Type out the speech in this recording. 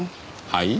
はい？